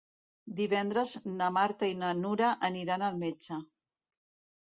Divendres na Marta i na Nura aniran al metge.